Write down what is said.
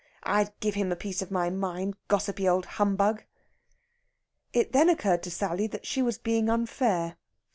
I'd give him a piece of my mind, gossipy old humbug!" It then occurred to Sally that she was being unfair.